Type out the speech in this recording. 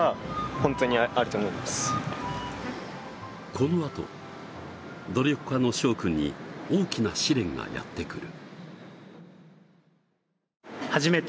このあと努力家のしょう君に大きな試練がやってくる。